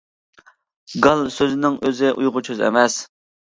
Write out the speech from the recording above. گال سۆزىنىڭ ئۆزى ئۇيغۇرچە سۆز ئەمەس.